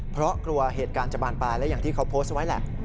เพราะกลัวเหตุการณ์จะบานปลายและอย่างที่เขาโพสต์ไว้แหละ